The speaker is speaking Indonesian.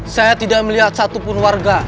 saya tidak melihat satupun warga